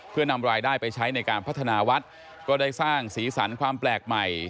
เพื่อนำรายได้ไปใช้ในการพัฒนาวัดก็ได้สร้างสีสันความแปลกใหม่